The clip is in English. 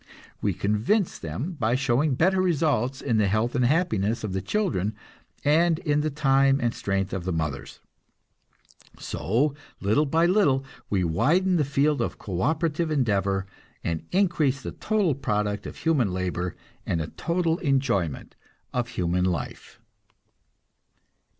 We convince them by showing better results in the health and happiness of the children, and in the time and strength of the mothers. So, little by little, we widen the field of co operative endeavor, and increase the total product of human labor and the total enjoyment of human life.